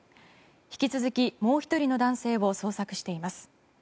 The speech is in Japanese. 引き続き、もう１人の男性を捜索しています。